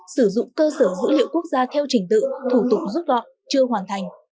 sử dụng cơ sở dữ liệu quốc gia theo trình tự thủ tục rút gọn chưa hoàn thành